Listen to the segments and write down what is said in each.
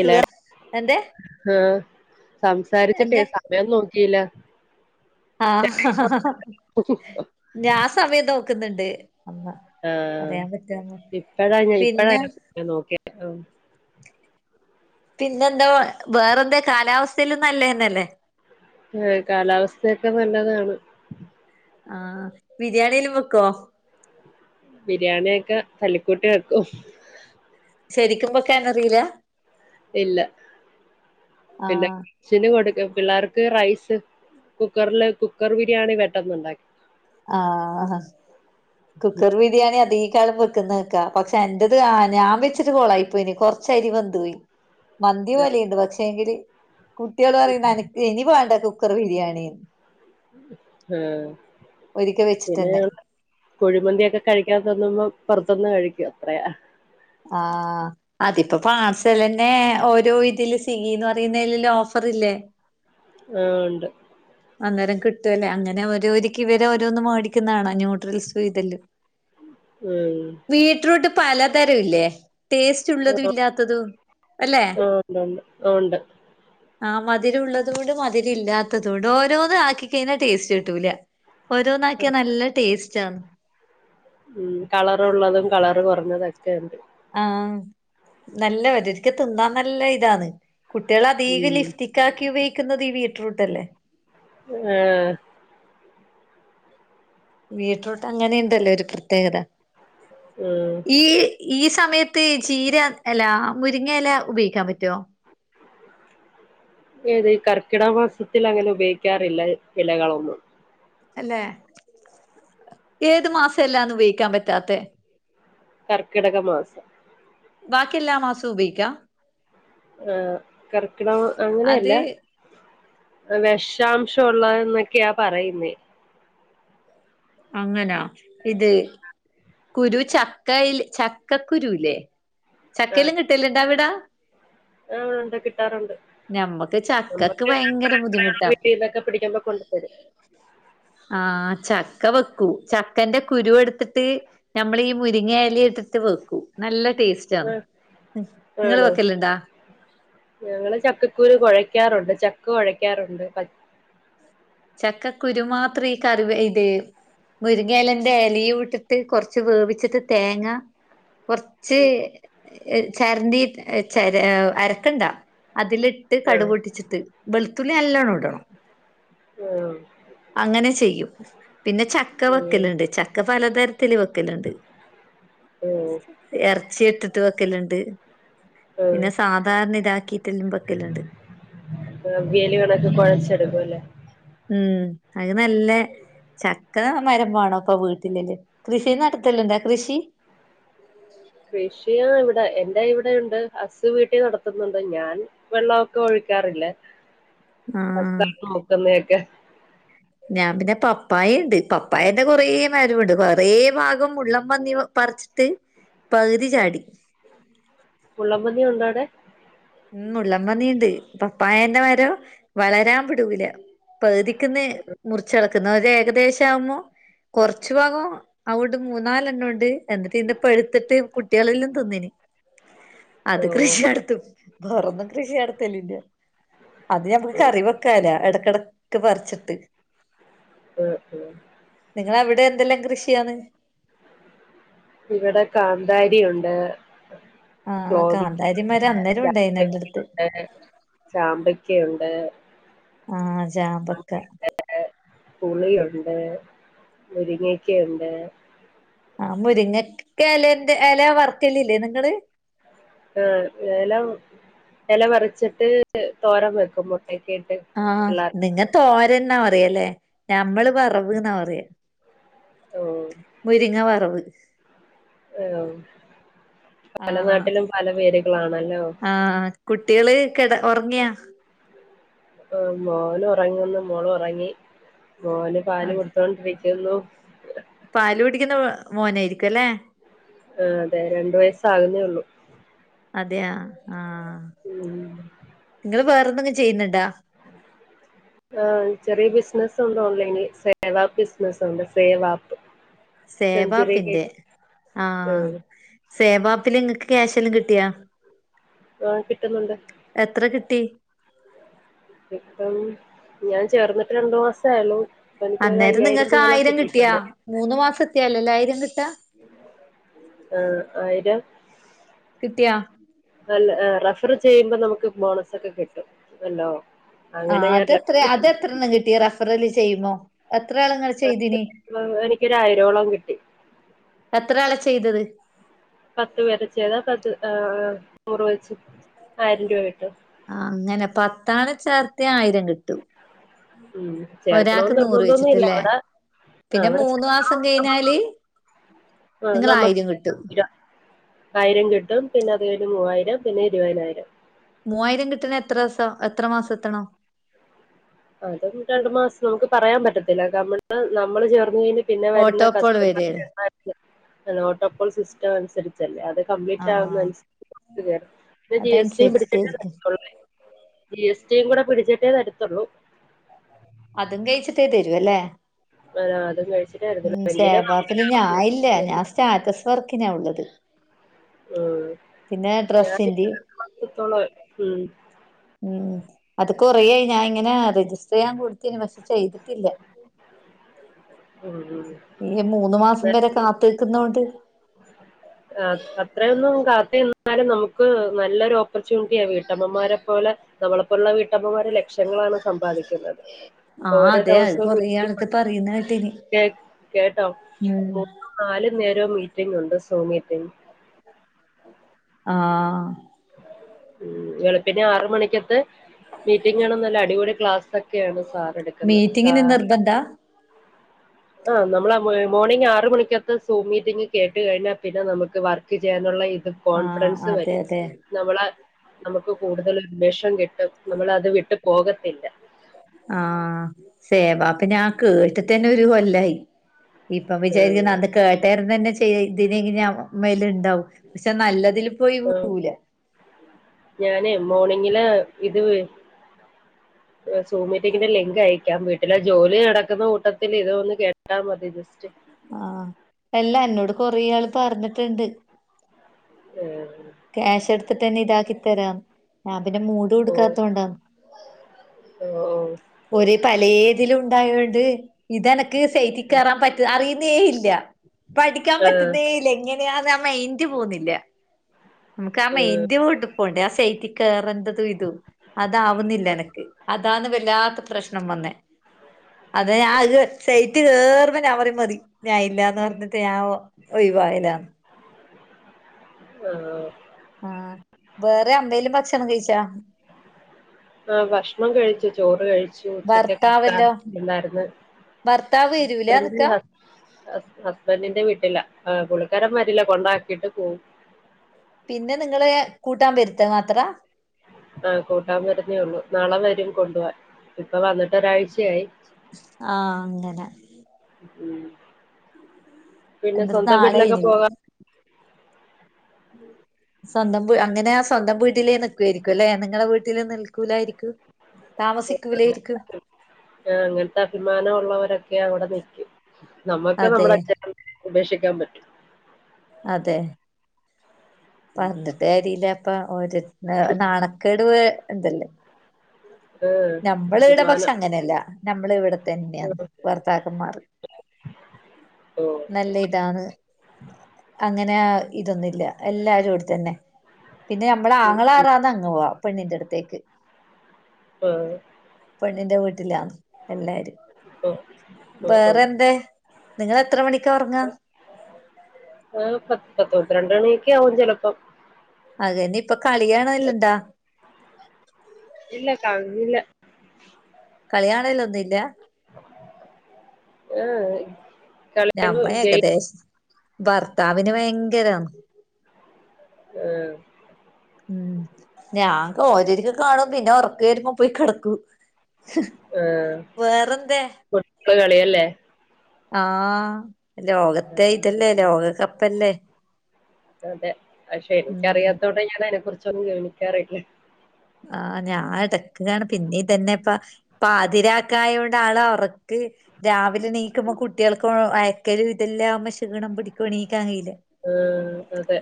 സുഖ എന്റെ ആഹ് സംസാരിച്ചിട്ടേ എന്റെ സമയം നോക്കില്ല ആഹ ഹ ഹ ഞാൻ സമയം നോക്കുന്നുണ്ട് അഹ് ആഹ ഇപ്പഴഞാൻ പിന്നെ ഇപ്പഴൻ നോക്കിയ പിന്നെന്താ വേറെന്ത കാലാവസ്ഥ നല്ലേന്നല്ലേ ആഹ കാലാവസ്ഥയൊക്കെ നല്ലതാണ് ആഹ ബിരിയാണിയെല്ലാം വെക്കോ ബിരിയാണിയൊക്കെ തല്ലിക്കൂട്ടി വെക്കും ശരിക്കുമ്പൊക്കൊനറിയില്ല ഇല്ല [unintelligible] ആഹ് [unintelligible] കൊടുക്ക പിള്ളേർക്ക് റൈസ് കുക്കറില് കുക്കർ ബിരിയാണി പെട്ടെന്നുണ്ടാക്കി ആഹ കുക്കർ ബിരിയാണി അധേകളം വെക്കുന്ന കേക്കാ പക്ഷെ എൻ്റത് ഞാൻ വെച്ചിട്ട് കൊളായിപ്പോയിനും ശരി വന്തോയി മന്തി പോലെയുണ്ട് പക്ഷേ എങ്കില് കുട്ടികൾ പറയുന്ന് ഇനി വേണ്ട കുക്കർ ബിരിയാണി ആഹ് ഒരിക്കവെച്ചിട്ട് പിന്നെ തന്നെ ഞങ്ങള് കുഴിമന്തിയൊക്കെ കഴിക്കാൻ തോന്നുമ്പ പുറത്തുന്ന് കഴിക്കും അത്രയാ ആഹ അതിപ്പോ പാർസലന്നെ ഓരോ ഇതിൽ സ്ഗിന്ന് പറയുന്നലും ഓഫർ ഇല്ലേ ആഹ് ഉണ്ട് അന്നേരം കിട്ടുവല്ലേ അങ്ങനെ ഓരോരിക്ക് ഇവരെ ഓരോന്ന് മേടിക്കുന്ന കാണാ ന്യൂഡിൽസും ഇതെല്ലാം [inaudible] ഉം ബീറ്റ്റൂട്ട് പലതരം ഇല്ലേ ടേസ്റ്റ് ഉള്ളതും ആഹ് ഇല്ലാത്തതും അല്ലെ ആഹ് ഉണ്ടുണ്ട് ഉണ്ട് ആ മധുരുള്ളതുകൊണ്ട് മധുരം ഇല്ലാത്തതു ഒണ്ട് ഓ ഓരോന്ന് ആക്കി കഴിഞ്ഞാ ടേസ്റ്റ് കിട്ടൂല ഓരോന്ന് ആക്കിയാ നല്ല ടേസ്റ്റ് ആണ് ഉം കളറുള്ളതും കളർ കൊറഞ്ഞതൊക്കെണ്ട് ആഹ് നല്ല വര് രിക്ക തിന്നാൻ നല്ല ഇതാണ് കുട്ടികളതീക്ക് ഉം ലിഫ്റ്റി ക്കാക്കി ഉപയോഗിക്കുന്നത് ഈ ബിറ്റ്റൂട്ടല്ലേ ആഹ് ബീറ്റ്റൂട്ട് അങ്ങനെണ്ടല്ലോ ഒരു പ്രത്യേകത ഉം ഈ ഈ സമയത്ത് ചീര അല്ല മുരിങ്ങല ഉപയോയിക്കാൻ പറ്റോ [unintelligible] ഏത് ഈ കർക്കിട മാസത്തിൽ അങ്ങനെ ഉപയോയിക്കാറില്ല ഇലകളൊന്നും അല്ലെ ഏത് മാസല്ലാന്ന് ഉപയോയിക്കാൻ പറ്റാത്തെ കർക്കിടക മാസം ബാക്കിയെല്ലാം മാസോം ഉപയോയിക്കാ ആഹ് കർക്കിടക മാ അങ്ങനെയല്ല അത് വെഷാംശം ഉള്ളന്നൊക്കെയാ പറയുന്നേ അങ്ങനാ ഇത് കുരു ചക്കയിൽ ചക്കക്കുരുല്ലേ ചക്കയെല്ലാം കിട്ടലിണ്ടാ ഇവിട ആഹ് കിട്ടാറുണ്ട് ഞമ്മക്ക് ചക്കക്ക് ഭയങ്കര നമ്മക്കെല്ലതൊക്കെ ബുദ്ധിമുട്ടാ വീട്ടീന്നൊക്കെ പിടിക്കുംമ്പോ കൊണ്ട് തെരും ആഹ് ചക്ക വെക്കൂം ചക്കേന്റെ കുരുവെടുത്തിട്ട് നമ്മളീ മുരിങ്ങയില എടു ത്ത് വെക്കും നല്ല ടേസ്റ്റ് ആണ് ആ നിങ്ങള് ആണോ വെക്കലിണ്ടാ ഞങ്ങള് ചക്കക്കുരു കൊഴയ്ക്കാറുണ്ട് ചക്ക കൊഴയ്ക്കാറുണ്ട് ചക്കക്കുരു മാത്രം ഈ കറിവ് ഇത് മുരിങ്ങലേന്റെ എലയും ഇട്ടിട്ട് കൊറച്ച് വേവിച്ചിട്ട് തേങ്ങ കൊർച്ച് ചെരണ്ടി ചെര അരക്കണ്ടാ അതിലിട്ട് ആ ആ കടു പൊട്ടിച്ചിട്ട് വെളുത്തുള്ളി നല്ലാണം ഇടണം ഓഹ് അങ്ങനെ ചെയ്യും പിന്ന ചക്ക ഉം വെക്കലുണ്ട് ചക്ക പലതരത്തിൽ വെക്കലുണ്ട് ഓ എറച്ചി ഇട്ടിട്ട് വെക്കലുണ്ട് ഉം പിന്ന സാധാരണ ഇതാക്കിയിട്ടെല്ലാം വെക്കലുണ്ട് അവിയലുകളക്കെ കൊഴച്ചെടുക്കൂല്ലേ ഉം അത് നല്ല ചക്ക മരംവേണോപ്പ വീട്ടില്ല്ലേ കൃഷി നടത്തലിണ്ടാ കൃഷി കൃഷിയാ ഇവിടെ എന്റെ ഇവിടെയുണ്ട് ഹസ്സ് വീട്ടിൽ നടത്തുന്നുണ്ട് ഞാൻ വെള്ളോക്കെ ഒഴിക്കാറില്ലേ ആഹ് തക്കാളി മുക്കുന്നൊക്കെ [inaudible] ഞാൻ പിന്നെ പപ്പായുണ്ട് പപ്പായിന്റെ കൊറേ മരുമുണ്ട് കൊറേ ഭാഗം ഉള്ളം പന്നി പറിച്ച് ത്ത് പകുതി ചാടി മുള്ളംപന്നി ഉണ്ടാവിടെ ഉം മുള്ളംപന്നീണ്ട് പപ്പായേന്റെ മരോം വളരാൻ വിടൂല പകുതിക്ക്ന്ന് മുറിച്ചെടക്ക്ന്ന ഒരേകദേശം ആവുംമൊ കൊറച്ചു ഭാഗം അവുട്ന്ന് മൂന്നാലെണ്ണൊണ്ട് എന്നിട്ട് ഇത്പ്പ എടുത്തിട്ട് കുട്ടികളെല്ലാം തിന്നീനി അത് ഓ കൃഷി നടത്തും പൊറൊന്നും കൃഷി നടത്തലില്ല അത് ഞമ്മക്ക് ചുവപ്പ് കറി വെക്കാല എടക്കിട ഒക്ക പറിച്ചിട്ട് ഉം ഉം നിങ്ങള അവിടെ എന്തെല്ലാം കൃഷിയാണ് ഇവിടെ കാന്താരി ഉണ്ട് ആഹ് തോവിക്ക കാന്താരി മരം ഉണ്ട്ക്കുണ്ട് അന്നേരം ഉണ്ടായിന് എന്റെടുത്ത് ചാമ്പക്കുണ്ട് ആഹ ചാമ്പക്ക ഏ പുളിയുണ്ട് മുരിങ്ങക്കുണ്ട് ആഹ് മുരിങ്ങക്ക എലന്റെ എല വർക്കലല്ലേ നിങ്ങള് ആ എല എല വറച്ചിട്ട് തോരന് വെക്കും മുട്ടക്ക ഇട്ട് ആഹ പിള്ളേർക്ക് നിങ്ങ തോരന് എന്നാ അറിയല്ലേ ഞമ്മള് വറവ് എന്നാ പറയ ഓ മുരിങ്ങ വറവ് പല ആഹ് നാട്ടിലും പല പേരുകളാണല്ലോ ആഹ് കുട്ടികള് കട ഉറങ്ങിയാ ആ മോന് ഉറങ്ങുന്നു മോള ഉറങ്ങി മോന് പാല് അതെ കൊടുത്തോണ്ടിരിക്കുന്നു പാല് കുടിക്കുന്ന മോനായിയിരിക്കും അല്ലെ ആ അതെ രണ്ട വയസ്സാകുന്നേ ഉള്ളൂ അതെ ആഹ ഉം നിങ്ങള് വേറെന്തങ്കിം ചെയ്യുന്നുണ്ടാ ആ ചെറിയ ബിസിനസുണ്ട് ഓൺലൈന് സേവാപ്പ് ബിസിനുണ്ട് സേവപ്പ് സേവാപ്പിന്റെ ആഹ ഉം സേവാപ്പിൽ നിങ്ങക്ക് ക്യാഷെന്തേം കിട്ടിയാ ആ കിട്ടുന്നുണ്ട് എത്ര കിട്ടി ഇപ്പം ഞാൻ ചേർന്നിട്ട് രണ്ടു മാസ ആയുള്ളു അന്നേരം നിങ്ങൾക്ക് ആയിരം കിട്ടിയാ മൂന്ന് മാസം എത്തിയാലല്ല ആയിരം കിട്ടാ ആഹ ആയിരം കിട്ടിയ ല്ല റഫർ ചെയ്യുമ്പോ നമുക്ക് ബോണസ ഒക്കെ കിട്ടും അല്ലോ ആ അങ്ങനെ ഞാൻ അതെത്ര അത് എത്ര എണ്ണം കിട്ടിയ റഫറല് ചെയ്യുമോ എത്രയാള ക എനിക്കരായിയിരോളം കിട്ടി എത്ര ആള ചെയ്തത് പത്ത് വര ചെയ്താ പത്ത് നൂറ് വച്ച ആയിരം രൂപ കട്ടു അങ്ങനെ പത്താണ് ചേർത്തി ആയിരം കിട്ടൂ ഉം ഒരാക്ക് ചേർക്കണോന്ന് നൂറ് നിർബന്ധൊന്നും ഇല്ല വെച്ചിട്ടില്ലേ അവിടെ ആഹ് പിന്നെ അവിടെ മൂന്ന മാസം കഴിഞ്ഞാല് ആഹ് നിങ്ങ ആയിരം കിട്ടും നമുക്ക് ആയിരം കിട്ടും പിന്നെ അതു കോല് മൂവായിരം പിന്നെ ഇരുപതിനായിരം മൂവായിരം കിട്ടണ എത്രസ എത്ര മാസം എത്തണോ അതും രണ്ടു മാസം നമുക്ക് പറയാൻ പറ്റത്തില്ല കമ്മള് നമ്മള് ചേർന്ന് കഴിഞ്ഞ പിന്നെ വരുന്ന ഓട്ടോപ്പോള് വരേണ് കസ്റ്റമർ ഓട്ടോപോൾ സിസ്റ്റം അനുസരിച്ച് മല്ലേ അത് കംപ്ലീറ്റ് ആഹ് ആകുന്നനുസരിച്ച് കേ പിന്നെ ജി എസ് ടി പിടിച്ചിട്ടന്ന അതനുസരിച്ചിട്ടായിരിക്കും ജിഎസട്ടിയും കൂടെ പിടിച്ചിട്ടേ തടുത്തുള്ളൂ അതും കഴിച്ചിട്ടേ തരുവല്ലേ അതും കഴിച്ചിട്ടേ തരത്തുള്ളൂ ഉ എങ്കിലും നമുക്ക് സേവക്കൽ ലാഭം ഞാൻയില്ല ഞാൻ സ്റ്റാറ്റസ് വർക്കിനാ ഉള്ളത് ഉം. പിന്നെ ഡ്രസ്സിന്റെ എത്രോത്തോളും ഉം ഉം അത് കൊറയായി ഞാൻ ഇങ്ങനെ രജിസ്റ്റർ ചെയ്യാൻ കൊടുത്തിന് പക്ഷെ ചെയ്തിട്ടില്ല ഉ ഉ ഈ മൂന്ന് മാസം വരെ കാത്നിക്കുന്നൊണ്ട് ആ അത്രയൊന്നും കാത്ത നിന്നാലും നമുക്ക് നല്ലൊരു ഓപ്പർച്യൂണിറ്റിയ ആ വീട്ടമ്മമാരെ പോലെ നമ്മളപ്പ ഉള്ള വീട്ടമ്മമാരെടെ ലക്ഷ്യങ്ങളാണ് സമ്പാദിക്കുന്നത് ആഹ് ഓരോ അതെ അത് ദിവസവും കൊറേ ആൾത് പറയുന്ന കേട്ടിനി ഇ കേട്ടോ ഉം മൂന്ന നാലും നേരവും മീറ്റിംഗ് ഉണ്ട് സൂ മീറ്റിങ് ആഹ് ഉ എളുപ്പന്നെ ആറ് മണിക്കത്ത മീറ്റിംഗ് ആണന്നല്ല അടിപൊളി ക്ലാസ്ക്കെ ഒക്കെയാണ് സാർ എടുക്കുന്നത് സാ മീറ്റിങ്ങിന് [inaudible] ആ നമ്മെൾ മോർണിംഗ ആറ് മണിക്കെത്ത സൂമീറ്റിങ്ങ് കേട്ട കഴിഞ്ഞാ പിന്നെ നമുക്ക് വർ ക്ക് ചെയ്യാനുള്ള ഇത് ആഹ് കോൺഫിഡൻസ് അതെ വരും അതെ നമ്മളെ നമുക്ക് കൂടുതൽ ഉന്മേഷം കിട്ടും നമ്മൾ അത് വിട്ട് പോകത്തില്ല ആഹ സേവാപ്പ് നാ കേട്ട് തന്നെ ഒരു കൊല്ലായി ഇപ്പൊ വിചാരിക്കുന്ന [unintelligible] കേട്ടാരന്ന് തന്നെ ചെയ്യ ഇതിന ഇങ്ങനെ മേല ഉണ്ടാവും പക്ഷെ നല്ലതിൽ പോയി [unintelligible] ഞാന് മോണിങ്ങില് ഇത് സൂ മീറ്റിങ്‌ ലിങ്ക് അയക്കാം [unintelligible] ഇല്ല ജോലി നടക്കുന്ന കൂട്ടത്തിൽ ഇതൊന്ന് കേട്ടാൽ മതി ജസ്റ്റ് ആഹ എല്ല എന്നോട് കൊറേ ആള് പറഞ്ഞിട്ടുണ്ട് ഉം ക്യാഷ് എടുത്തിട്ട് തന്നെ ഇതാക്കി തരാം ഞാൻ പിന്നെ മൂട് കൊടുക്കാത്തത് കൊണ്ടാണ് ഓ ഓ ഒരേ പലേതിലും ഉണ്ടായോണ്ട് ഇതെനക്ക് സൈറ്റ് കേയറാൻ പറ്റ അറിയുന്നേ ഇല്ല പഠിക്കാൻ പറ്റുന്നേ ഇല്ലങ്ങന അഹ മയിന്റ് പോന്നവുന്നില്ല അഹ് മയിന്റ് പോണ്ടേ ആ സൈറ്റ് കയറേണ്ടതും ഇതും അതാവുന്നില്ല എനക്ക് അതാന്ന് വല്ലാ തെ പ്രശ്നം വന്നേ അതെ ഞാൻ സേറ്റ് കേയറുമ്പോ പറ മതി ഞാൻ ഇല്ലന്ന് പറഞ്ഞിട്ട് ഞ ഒയിവായലാണ് ആഹ് ആഹ വേറെ എന്തേലും ഭക്ഷണം കഴിച്ചാ ആ ഭക്ഷണം കഴിച്ചു ചോറ് കഴിച്ചു ഉച്ചക്ക് കക്ക ഭർത്താവല്ലോ ഉണ്ടായിരുന്നു ഭർത്താവ് വരൂല ഹസ്ബൻഡ് നിക്ക ഹസ്ബൻഡിന്റെ വീട്ടില പുള്ളിക്കാരൻ വരില്ല കൊണ്ടാക്കിയിട്ട് പോവും പിന്നെ നിങ്ങള് കൂട്ടാൻ വരുത്ത്മാത്ര ആഹ കൂട്ടാൻ വരുന്നേ ഉള്ളു നാളെ വരും കൊണ്ടുപോവൻ ഇപ്പൊ വന്നിട്ട് ഒരാഴ്ചയായി ആഹ അങ്ങനെ ഉ പിന്നെ എന്റെരു സ്വന്തം വീട്ടിലൊക്കെ നാളെയിനി പോകാറു സ്വന്തം അങ്ങനെ ആ സ്വന്തം വീട്ടിലേ നിൽക്കായിരിക്കും അല്ലേ നിങ്ങളെ വീട്ടിലേ നിൽക്കൂലായിരിക്കും താമസിക്കൂലായിരിക്കും ആ അങ്ങനത്തെ അഭിമാനം ഉള്ളവരൊക്കെ അവിടെ നിൽക്കും നമ്മുക്ക് അതെ നമ്മുടെ അച്ച ഉപേക്ഷിക്കാൻ പറ്റുവോ അതെ പറഞ്ഞിട്ട് കരില്ലപ്പ ഓര് നാണക്കേട് ആഹ് നമ്മൾ ഇവിടെ പക്ഷെ അഭിമാനം അങ്ങനല്ല നമ്മൾ ഇവിടെ തന്നെയ ഭർത്താക്കന്മാർ ഓഹ് നല്ല ഇതാണ് അങ്ങനെ ഇതൊന്നുമില്ല എല്ലാവരും ഇവിടതന്നെ പിന്നെ നമ്മളെ ആങ്ങള ആറാന്നങ് പോവാ പെണ്ണിന്റെ അടുത്തേക്ക് ആഹ് പെണ്ണിന്റെ വീട്ടിലാ എല്ലാരും ഓഹ് ഓഹ് ഓഹ് വേറെന്താ നിങ്ങൾ എത്ര മണിക്കാ ഉറങ്ങാ പ പത്ത് പന്ത്രണ്ട് മണിയൊക്കെ ആകും ചിലപ്പം അതന്നെ ഇപ്പ കളിണോല്ലണ്ടാ ഇല്ല കാണലില്ല കളികാണലൊന്നുല്ലാ ഏഹ നഞമ്മ ഏകദേശം ഭർത്താവിന് ഭയങ്കരന്ന് ആഹ [unintelligible] ഓരരിക്ക കാണും പിന്നെ ഉറക്ക വരുമ്പോ പോയി കിടക്കൂ ഹ വേറെന്താ ഇ കളിയല്ലേ ആഹ ലോകത്തെ ഇതല്ലേ ലോകകപ്പല്ലേ അതെ പക്ഷെ ഉം എനിക്കറിയാത്തോടെ ഞാൻ അതിനെ കുറിച്ചൊന്നും ഗവണിക്കാറില്ല ആഹ് ഞാൻ എടക്ക് കാണും പിന്നെ തന്നെ ഇപ്പ പാതിരാക്കായ കൊണ്ട് ആളെ ഉറ ക്ക് രാവിലെ എണീക്കുമ്പോ കുട്ടികൾക്കും അയക്കല ഇല്ലാംകുമ്പോ ക്ഷീണം പിടിക്കും എണീക്കാൻ കയീല്ല ആ അതെ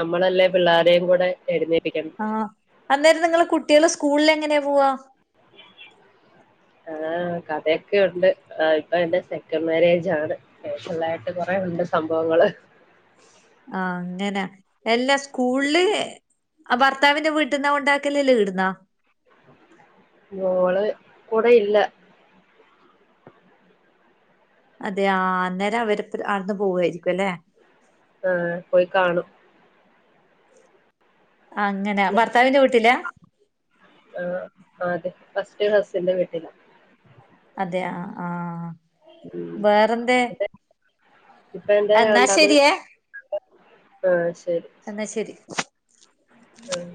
നമ്മളല്ലേ പിള്ളോരെയും കൂടെ എഴുന്നേപ്പിക്കണ ആ അന്നേരം നിങ്ങള് കുട്ടികള് സ്കൂളിൽ എങ്ങനെയാ പോവാ ആഹ് കഥയൊക്കെ ഉണ്ട് ഇപ്പൊ എന്റെ സെക്കൻ്റ് മാരേജ് ആണ് പേഴ്സണലായിട്ട് കൊറെേ ഉണ്ട് സംഭവങ്ങള് ആഹ അങ്ങനാ എല്ലാ സ്കൂളില് ഭർത്താവിന്റെ വീട്ടിൽന്നാ കൊണ്ടാക്കലേ അല്ലേ ഇവീടുന്നാ മോള് കൂടെ ഇല്ല അതെ അന്നേരം അവര് അവിടുന്ന് പോവായിരിക്കും അല്ലെ ആഹ് പോയി കാണും അങ്ങനെ ഭർത്താവിന്റെ വീട്ടിലാ ആഹ അതെ ഫസ്റ്റ് ഹസിന്റെ വീട്ടില്ല അതെ ആഹ് ആഹ് വേറെന്ത ഇപ്പ എന്താ രണ്ടാമത് ശരിയേ ആഹ് ശരി എന്നാ ശരി ആഹ്